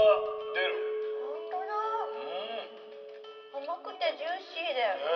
甘くてジューシーで。ね。